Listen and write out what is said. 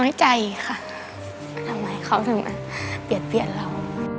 น้อยใจค่ะทำไมเขาถึงเปรียดเรา